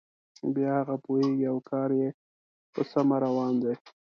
بیا هغه پوهیږي او کار یې په سمه روان دی.